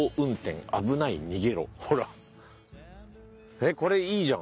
えっこれいいじゃん。